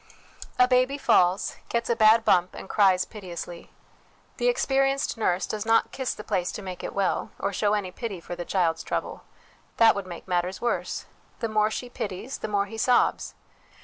A baby falls, gets a bad bump, and cries piteously. The experi enced nurse does not " kiss the place to make it well," or show any pity for the child's trouble that would make matters worse ; the more she pities, the more he sobs.